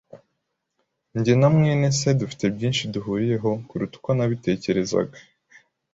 Jye na mwene se dufite byinshi duhuriyeho kuruta uko nabitekerezaga.